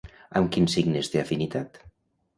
Amb quins signes té afinitat?